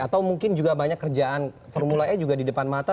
atau mungkin juga banyak kerjaan formula e juga di depan mata